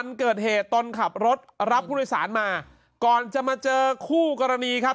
วันเกิดเหตุตนขับรถรับผู้โดยสารมาก่อนจะมาเจอคู่กรณีครับ